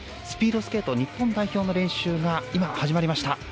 スピードスケート日本代表の練習が今、始まりました。